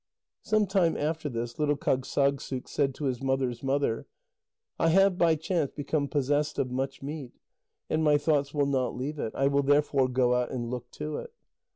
Some time after this, little Kâgssagssuk said to his mother's mother: "I have by chance become possessed of much meat, and my thoughts will not leave it. I will therefore go out and look to it."